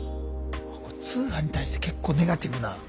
通販に対して結構ネガティブな。